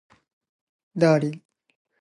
ダーリン